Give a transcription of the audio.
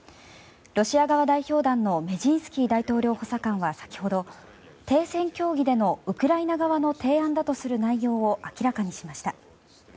ロシア側代表団のメジンスキー大統領補佐官は先ほど停戦協議でのウクライナ側の提案だとする内容を明らかにしました。